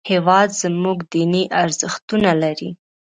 هېواد زموږ دیني ارزښتونه لري